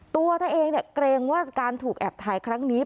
ตัวเธอเองเกรงว่าการถูกแอบถ่ายครั้งนี้